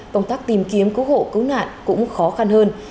công tác tìm kiếm cứu hộ cứu nạn cũng khó khăn hơn